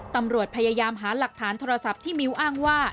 ตำรวจพยายามหาหลักฐานโทรศัพท์ที่มิ้วอ้างว่า